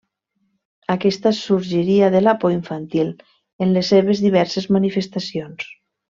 Aquesta sorgiria de la por infantil, en les seves diverses manifestacions.